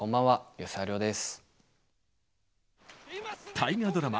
大河ドラマ